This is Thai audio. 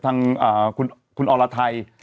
ทางคุณอรไทย